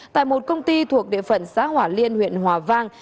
tại một công ty thuộc địa phận xã hỏa liên huyện hòa vang